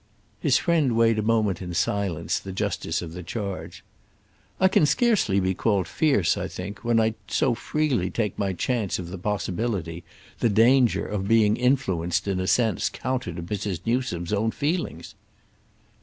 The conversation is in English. His friend weighed a moment in silence the justice of the charge. "I can scarcely be called fierce, I think, when I so freely take my chance of the possibility, the danger, of being influenced in a sense counter to Mrs. Newsome's own feelings."